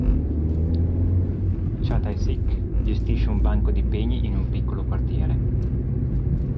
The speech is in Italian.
Cha Tae-sik gestisce un banco dei pegni in un piccolo quartiere.